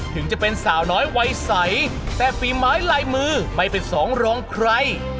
ถึงจะเป็นสาวน้อยวัยใสแต่ฝีไม้ลายมือไม่เป็นสองรองใคร